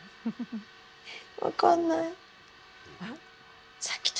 分かんない。